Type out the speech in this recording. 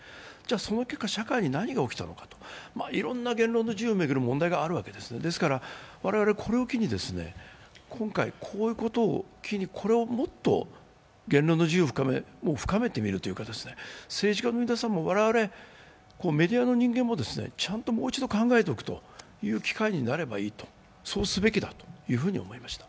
その結果社会に何が起きたのか、いろんな言論の自由を巡る問題がありますですから我々、これを機に今回、もっと言論の自由を深めてみるというか政治家の皆さんも我々メディアの人間もちゃんともう一度考えておくという機会になればいいとそうすべきだと思いました。